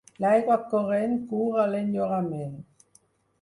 L'aigua corrent cura l'enyorament.